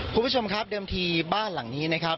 คุณผู้ชมครับเดิมทีบ้านหลังนี้นะครับ